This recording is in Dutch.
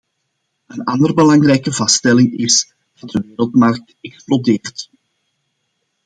Een ander belangrijke vaststelling is dat de wereldmarkt explodeert.